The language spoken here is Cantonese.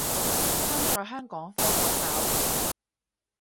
身在香港揮個手